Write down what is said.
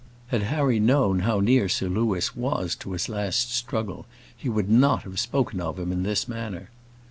Had Harry known how near Sir Louis was to his last struggle, he would not have spoken of him in this manner.